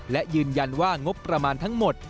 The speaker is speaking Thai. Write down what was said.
และยืนยันว่างบประมาณทั้งหมด